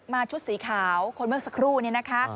ชุดสีขาวคนเมื่อสักครู่นี้นะคะ